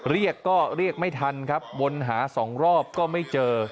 เรียกก็เรียกไม่ทันครับวนหาสองรอบก็ไม่เจอ